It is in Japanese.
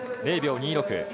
０秒２６。